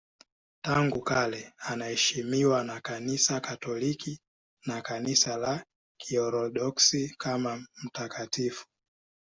Tangu kale anaheshimiwa na Kanisa Katoliki na Kanisa la Kiorthodoksi kama mtakatifu.